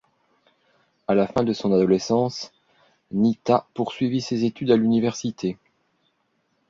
À la fin de son adolescence, Nita poursuivit ses études à l'université.